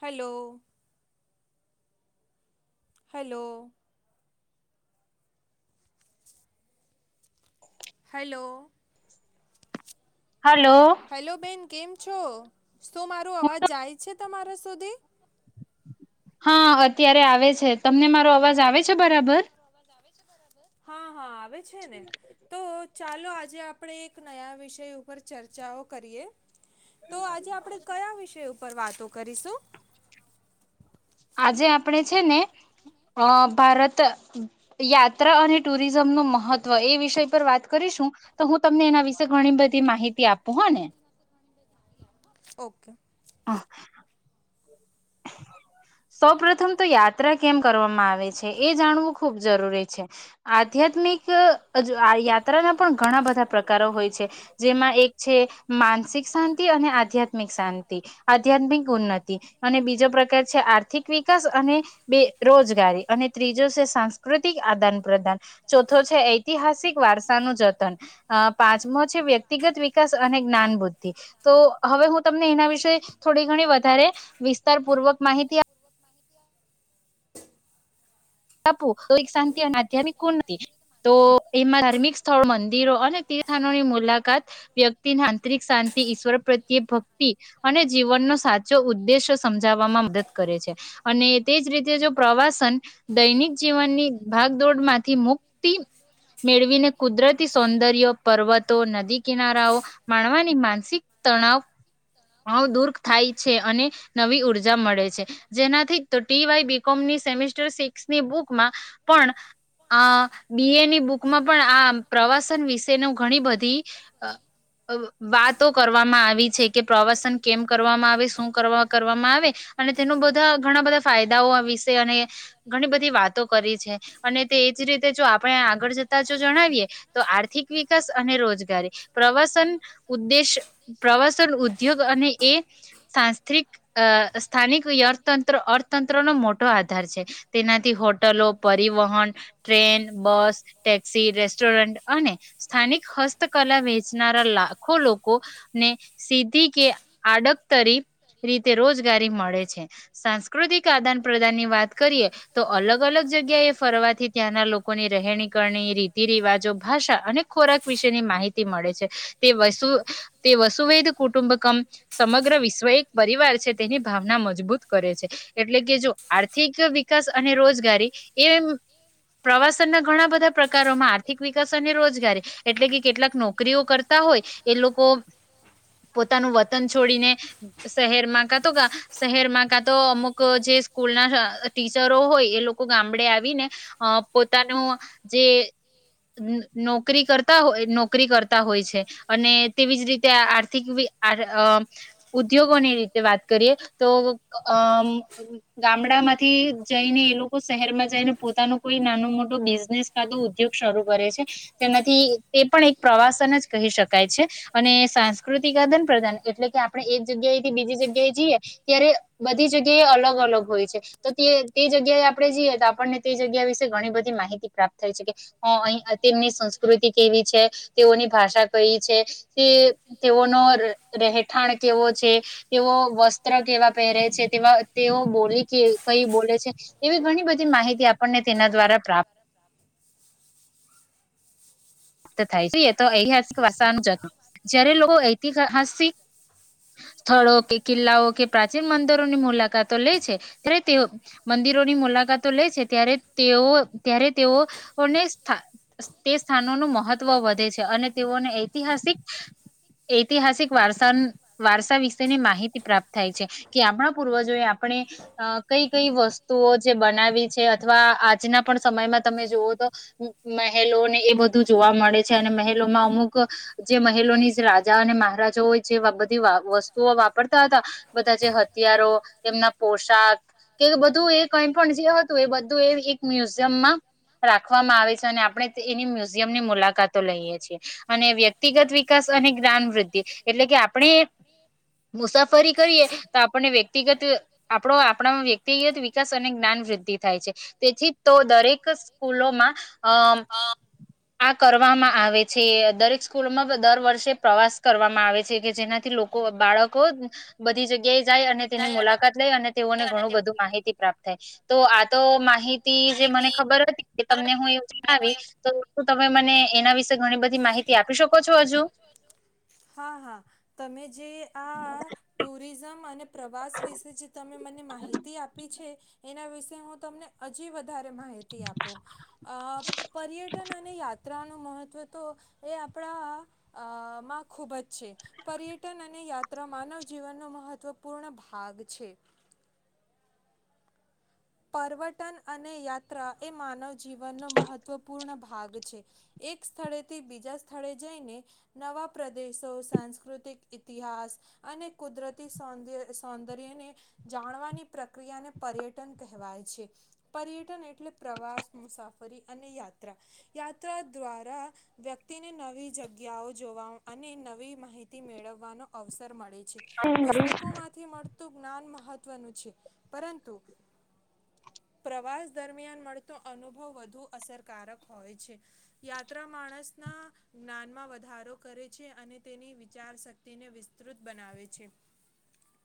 Hello hello hello hello બેન કેમ છો શું માર અવાજ જાય છે તમારા સુધી. હા અત્યારે આવે છે તમને મારો અવાજ આવે છે બરાબર? હા હા આવે છે ને તો ચાલો આજે આપણેે એક નયા વિષય ઉપર ચર્ચાઓ કરીએ. તો આજે આપડે કયા વિષય ઉપ પર વાતો કરીશું. આજે આપણે છે ને અ ભારત યાત્રા અને ટુરિઝમનું મહત્વ એ વિષય પર વાત કરીશું તો હું તમને એના વિશે ઘણી બધી માહિતી આપું હો ને. ઓકે. હા. સૌ પ્રથમ તો યાત્રા કેમ કરવામાં આવે છે એ જાણવું ખુબ જરૂરી છે આધ્યાત્મિક અ યાત્રાના પણ ઘણા બધા પ્રકારો હોય છે જેમાં એક છે માનસિક શાંતિ અને આધ્યાત્મિક શાંતિ આધ્યાત્મિક ઉન્નતિ અને બીજો પ્રકાર છે આર્થિક વિકાસ અને બે રોજગારી અને ત્રીજો છે સાંસ્કૃતિક આદાન પ્રદાન ચોથો છે ઐતિહાસિક વારસા નું જતન પાંચમો છે વ્યક્તિગત વિકાસ અને જ્ઞાન બુદ્ધિ તો હવે હું તમને એના વિશે થોડી ઘણી વધારે વિસ્તારપૂર્વક માહિતી આપ આપો તો શાંતિ અને આધ્યામિક કુંતિ તો એમાં ધાર્મિક સ્થળો મંદિરો અને તીર્થાનોની મુલાકાત વ્યક્તિને આંતરિક શાંતિ ઈશ્વર પ્રત્યે ભક્તિ અને જીવનનો સાચો ઉદ્દેશ સમજાવવામાં મદદ કરે છે અને તેજ રીતે જો પ્રવાસ દૈનિક જીવનની ભાગદોડમાંથી મુક્તિ મેળવીને કુદરતી સૌંદર્ય પર્વતો નદી કિનારાઓ માણવાની માનસિક તણાવ ગણું દૂર થાય છે અને નવી ઉર્જા મળે છે જેનાથી ટી વાય બી કોમની સેમીસ્ટર ની બુકમાં પણ આ બી એ ની બુકમાં પણ આ પ્રવાસન વિશે નું ઘણી બધી વાતો કરવામાં આવી છે કે પ્રવાસન કેમ કરવામાં આવે શું કરવા કરવામાં આવે અને તેનું બધા ઘણા બધા ફાયદાઓ વિશે અને ઘણી બધી વાતો કરી છે અને તે એજ રીતે જો આપણે આગળ જતા જો જણાવીએ તો આર્થિક વિકાસ અને રોજગારી પ્રવાસન ઉદ્દેશ પ્રવાસન ઉદ્યોગ અને એ [unintelligible] સ્થાનિક અથતંત્ર અર્થતંત્ર નો મોટો આધાર છે. તેનાથી હોટલો પરિવહન ટ્રેન બસ ટેક્સી રેસ્ટોરન્ટ અને સ્થાનિક હસ્તકલા વેચનારા લાખો લોકોને સીધી કે આડકતરી રીતે રોજગારી મળે છે સાંસ્કૃતિક આદાન પ્રદાન ની વાત કરીએ તો અલગ અલગ જગ્યા એ ફરવાથી ત્યાંના લોકોની રહેણી કરણી રીતિ રિવાજો ભાષા અને ખોરાક વિશેની માહિતી મળે છે. તે વસુ તે વસુવેૈદ કુટુંબકમ સમગ્ર વિશ્વ એક પરિવાર છે તેની ભાવના મજબૂત કરે છે, એટલે કે જો આર્થિક વિ કાસ અને રોજગારી, એ પ્રવાસન ના ઘણા બધા પ્રકારોમાં આર્થિક વિકાસ અને રોજગારી, એટલે કે કેટલાક નોકરીઓ કરતા હોય, એ લોકો પોતાનું વતન છોડીને, શહેરમાં કા તો કા શહેરમાં કા તો અમુક જે સ્કૂલના ટીચરો હોય એ લોકો ગામડે આવીને, અ પોતાનું જે નોકરી કરતા હોય નોકરી કરતા હોય છે, અને તેવીજ રીતે આ આર્થિક બી આ અ ઉદ્યોગોની રીતે વાત કરીએ તો અ ગામડામાં થી જઈને એ લોકો શહેરમાં જઈને પોતાનો કોઈ નાનો મોટો બિઝનેસ કાતો ઉદ્યોગ શરૂ કરે છે, તેનાથી એ પણ એક પ્રવાસન જ કહી શકાય છે, અને સાંસ્કૃતિક આદાન પ્રદાન એટલે કે આપણે એક જગ્યાએથી બીજી જગ્યાએ જઈએ, ત્યારે બધી જગ્યા એ અલગ અલગ હોય છે. તો તે તે જગ્યાએ આપણે જઈએ તો આપણને તે જગ્યા વિશે ઘણી બધી માહિતી પ્રાપ્ત થાય છે કે, અહી તેમની સંસ્ કૃતિ કેવી છે, તેઓની ભાષા કઈ છે, તે તેઓનો રહેઠાણ કેવો છે, તેઓ વસ્ત્ર કેવા પહેરે છે, તેવા તેઓ બોલી કે બોલે છે એવી ઘણી બધી માહિતી આપણને તેના દ્વારા પ્રાપ્ત ત થાય છે. એ તો અહીંયા વાસાનું જ હતુ જયારે લોકો ઐતિહાસિક સ્થળો કે કિલ્લાઓ કે પ્રાચીન મંદિરોની મુલાકાતો લે છે, ત્યારે તે મંદિરોની મુલાકાતો લે છે ત્યારે તેઓ ત્યારે તેઓને તે સ્થાનો નું મ હત્વ વધે છે અને તેઓને ઐતિહાસિક ઐતિહાસિક વારસા વારસા વિશેની માહિતી પ્રાપ્ત થાય છે કે આપણા પૂર્વજોએ આપણે અ કઈ કઈ વસ્તુઓ જે બનાવી છે અથવા આજના પણ સમયમાં તમે જુવો તો મહેલોને એ બધ જોવા મળે છે અને મહેલોમાં અમુક જે મહેલોની રાજા અને મહારાજા હોય જે બધી વસ્તુઓ વાપરતા હતા, બધા જે હ થિયારો, એમના પોશાક કે બધું એ કઈ પણ જે હતું એ બધું એ એક મ્યુઝિયમમાં રાખવામાં આવે છે અને આપણે એની મુ એમની મુલાકાતો લઈએ છીએ અને વ્યક્તિગત વિકાસ અને જ્ઞાનવૃદ્ધિ એટલે કે આપણે મુસાફરી કરીએ તો આપણે વ્યક્તિગત આપડો આપણા વ્યક્તિગત વિકાસ અને જ્ઞાન વૃદ્ધિ થાય છે. તેથી તો દરેક સ્કૂલોમાં અ અ કરો. કરવામાં આવે છે દરેક સ્કૂલમાં દર વર્ષે પ્રવાસ કરવામાં આવે છે કે જેનાથી લોકો બાળકો બધી જગ્યાએ જાય અને તેની મુલાકાત લઈ અને તેઓને ઘણું તે બધું માહિતી પ્રાપ્ત થાય. તો આ તો માહિતી જે મને માહિતી ખબર હતી કે પરત તમને હું એ અને જણાવી હું તો તો તમે મને એના વિશે ઘણી બધી માહિતી આપી શક હા હા, તમે જે આ ટુરિઝમ મને પ્રવાસ વિશે જે તમે મને માહિતી આપી છે એના વિશે હું તમને હજી વ ધારે માહિતી આપુ અ પર્યટન અને યાત્રા નું મહત્ત્વ તો એ આપણા અ માં ખૂબ જ છે પર્યટન અને યાત્રા માનવ જીવનનો મહત્વપૂર્ણ ભાગ છે. પરવટન અને યાત્રા એ માનવ જીવનનો મહત્વપૂર્ણ ભાગ છે, એક સ્થળેથી બીજા સ્થળે જઈને નવા પ્રદેશો, સાંસ્કૃતિક ઇતિહાસ, અને કુદરતી સૌ સૌંદર્યને જાણવાની પ્રક્રિયાને પર્યટન કહેવાય છે, પર્યટન એટલે પ્રવાસ, મુસાફરી અને યાત્રા-યાત્રા દ્વારા વ્યક્તિને નવી જગ્યાઓ જોવા અને નવી માહિતી મેળવવાનો અવસર મળે છે પુસ્તકોમાંથી મળતું જ્ઞાન મા મહત્વનું છે પરંતુ પ્રવાસ દરમિયાન મળતો અનુભવ વધુ અસરકારક હોય છે, યાત્રા માણસના જ્ઞાનમાં વધારો કરે છે અને તેની વિચાર શક્તિને વિસ્તૃત બનાવે છે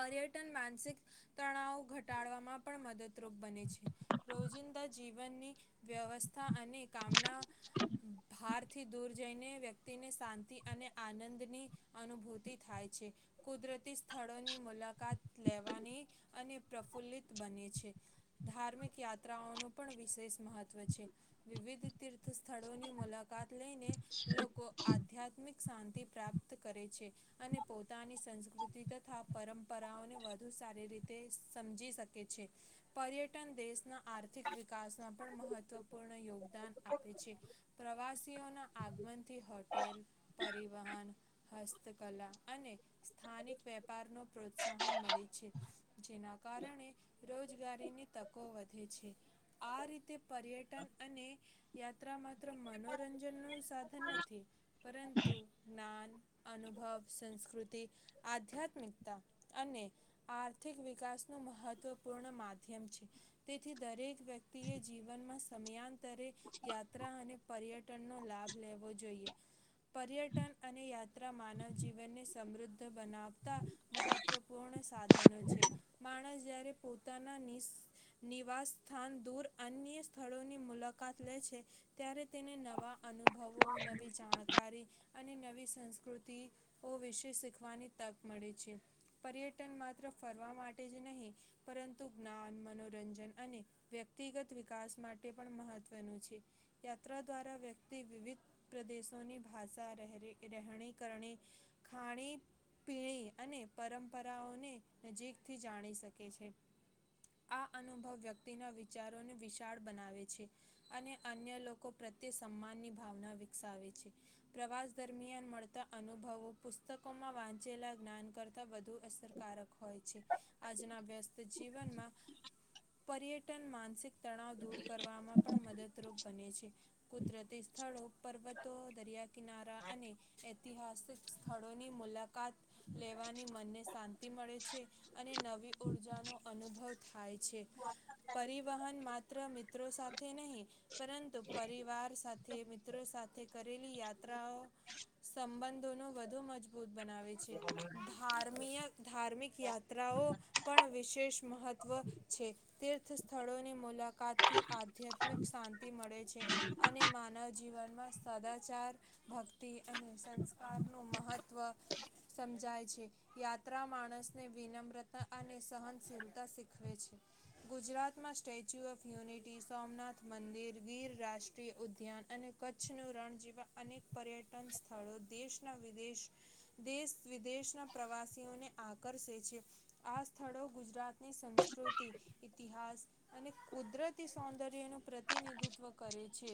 પર્યટન માનસિક તણાવ ઘટાડવામાં પણ મદદ રુપ છે રોજિંદા જીવનની વ્યવસ્થા અને કામના ભારથી દૂર જઈને વ્યક્તિને શાંતિ અને આનંદની અનુભૂતિ થાય છે, કુદરતી સ્થળોની મુલાકાત લેવાની અને પ્રફુલ્લિત બને છે. ધાર્મિક યાત્રાઓનું પણ વિશેષ મહત્વ છે, વિવિધ તીર્થ સ્થળોની મુલાકાત લઈને લોકો આધ્યાત્મિક શાંતિ પ્રાપ્ત કરે છે અને પોતાની સંસ્કૃતિ તથા પરંપરાઓને વધુ સારી રીતે સમજી શકે છે. પર્યટન દેશના આર્થિક વિકાસમાં પણ મહત્વપૂર્ણ યોગદાન આપે છે, પ્રવાસીઓના આગમનથી હોટેલ, પરિવહન, હસ્તકલા અને સ્થાનિક વેપારનો પ્રોત્સાહન મળે છે જેના કારણે રોજ રોજગારીની તકો વધે છે, આ રીતે પર્યટન અને યાત્રા માત્ર મનોરંજનનું સાધન નથી પરંતુ જ્ઞાન, અનુભવ, સંસ્કૃતિ, આધ્યાત્મિકતા અને આર્થિક વિકાસનું મહત્ત્વ પૂર્ણ માધ્યમ છે તેથી દરેક વ્યક્તિ એ જીવનમાં સમયાં તરે યાત્રા અને પર્યટનનો લાભ લેવો જોઈએ પર્યટન અને યાત્રા માનવ જીવનને સમૃદ્ધ બનાવતા મહત્વપૂર્ણ સાધનો છે, માણસ જ્યારે પોતાના નિસ નિવાસ સ્થાન દૂર અન્ય સ્થળોની મુલાકાત લે છે ત્યારે તેને નવા અનુભવો, નવી જાણકારી અને નવી સંસ્કૃતિઓ વિશે શીખવાની તક મળે છે, પર્યટન માત્ર ફરવા માટે જ નહીં પરંતુ જ્ઞાન મનોરંજન અને વ્યક્તિગત વિકાસ માટે પણ મહત્વનું છે યાત્રા દ્વારા વ્યક્તિ વિવિધ પ્રદેશોની ભાષા રહે રહેણી કરણી, ખાણી પીણી અને પરંપરાઓને નજીકથી જાણી શકે છે. આ અનુભવ વ્યક્તિના વિચારોને વિશાળ બનાવે છે અને અન્ય લોકો પ્રત્યે સન્માનની ભાવના વિકસાવે છે પ્રવાસ દરમિયાન મળતા અનુભવો પુસ્તકોમાં વાંચેલા જ્ઞાન કરતા વધુ અસરકારક હોય છે આજના વ્યસ્ જીવનમાં પર્યટન માનસિક તણાવ દૂર કરવામાં પણ મદદરૂપ બને છે. કુદરતી સ્થળો પર્વતો, દરિયાકિનારા અને ઐતિહાસિક સ્થળોની મુલાકાત લેવાની મનને શાંતિ મળે છે અને નવી ઉર્જા નો અનુભવ થાય છે પરિવહન માત્ર મિત્રો સાથે નહી પરંતુ પરિવાર સાથે મિત્રો સાથે કરેલી યાત્રાઓ સંબંધો ન વધુ મજબૂત બનાવે છેમ ધાર્મિક યાત્રાઓ પણ વિશ વિષ મહત્વ છે તીર્થ સ્થળોની મુલાકાતથી આધ્યાત્મિક શાંતિ મળે છે અને માનવ જીવનમાં સદાચાર ભક્તિ અને સંસ્કારનું મહત્ત્વ સમજાય છે યાત્રા માણસને વિનમ્રતા અને સહન [inaudible] ગુજરાતમાં સ્ટેચ્યુ ઓફ યુનિટી સોમનાથ મંદિર ગીર રાષ્ટ્રીય ઉદ્યાન અને કચ્છનું રણ જેવા અનેક પર્યટન સ્થળો દેશના વિદેશ દેશ વિદેશના પ્રવાસીઓને આકર્ષે છે આ સ્થળો ગુજરાતની સંસ્કૃતિ ઇતિહાસ અને કુદરતી સૌંદર્યનું પ્રતિનિધિત્વ કરે છે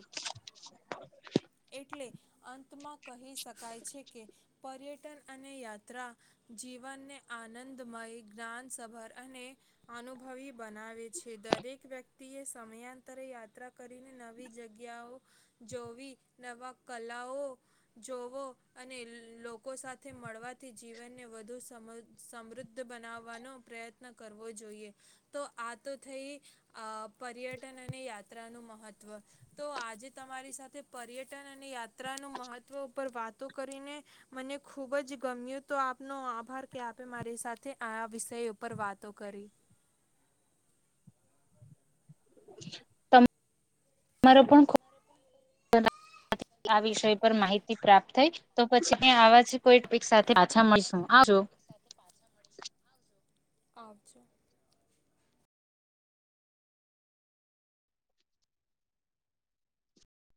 એટલે અંતમાં કહી શકાય છે કે પર્યટન અને યાત્રા જીવનને આનંદમય જ્ઞાનસભર અને અનુભવી બનાવે છે દરેક વ્યક્તિ એ સમયાંતરે યાત્રા કરીને નવી જગ્યાઓ જોવી નવા કલાઓ જોવો અને લોકો સાથે મળવા થી જીવનને વધુ સમ સમૃદ્ધ બનાવવાનો પ્રયત્ન કરવો જોઈએ તો આ તો થઈ આ પર્યટન અને યાત્રા નું મહત્વ તો આજે તમારી સાથે પર્યટન અને યાત્રાનું મહત્વ ઉપર વાતો કરીને મને ખુબ જ ગમ તો આપનો આભાર કે આપે મારી સાથે આ વિષય ઉપ ઉપર વાતો કરી. [unintelligible] આ વિષય પર માહિતી પ્રાપ્ત થઈ. તો પછી મે આવા છે કોઈ રીક્ષા પાછા મળીશું આ જો. સાથે પાછા મળીશું આવજો. આવજો